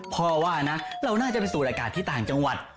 พ่อว่านะเราน่าจะไปสูดอากาศที่ต่างจังหวัด